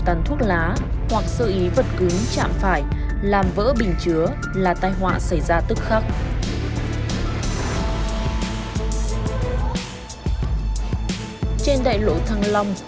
tàn thuốc lá hoặc sơ ý vật cứng chạm phải làm vỡ bình chứa là tai họa xảy ra tức khắc trên đại lộ